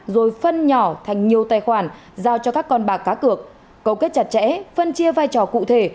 rồi phân nhỏ thành nhiều tài khoản giao cho các con bạc cá cược cấu kết chặt chẽ phân chia vai trò cụ thể